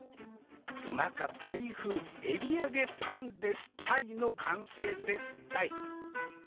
うまか「タイ風エビ揚げパンですタイ」の完成ですたい。